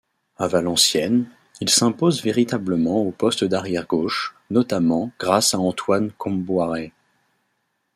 À Valenciennes, il s'impose véritablement au poste d'arrière-gauche, notamment grâce à Antoine Kombouaré.